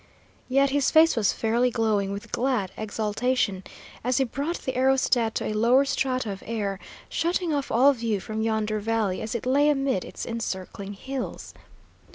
Yet his face was fairly glowing with glad exultation as he brought the aerostat to a lower strata of air, shutting off all view from yonder valley, as it lay amid its encircling hills.